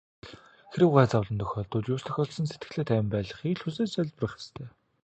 Хэрэв гай зовлон тохиолдвол юу ч тохиолдсон сэтгэлээ тайван байлгахыг л хүсэж залбирах ёстой.